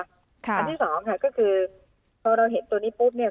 อันที่สองค่ะก็คือพอเราเห็นตัวนี้ปุ๊บเนี่ย